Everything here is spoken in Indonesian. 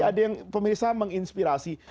ada yang pemirsa menginspirasi